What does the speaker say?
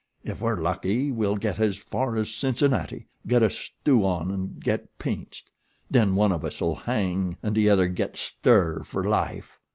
"If we're lucky we'll get as far as Cincinnati, get a stew on and get pinched. Den one of us'll hang an' de other get stir fer life."